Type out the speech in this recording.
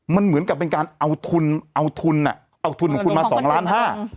มันเหมือนกับเป็นการเอาทุนเอาทุนอ่ะเอาทุนของคุณมาสองล้านห้า